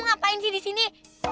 ngapain sih di sini